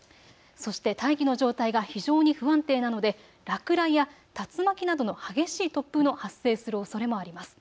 そして大気の状態が非常に不安定なので落雷や竜巻などの激しい突風の発生するおそれもあります。